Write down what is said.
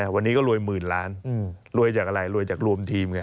วันนี้ก็รวย๑๐๐๐๐๐๐๐บาทรวยจากรวมทีม